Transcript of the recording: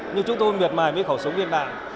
nhưng chúng tôi miệt mài với khẩu súng viên đạn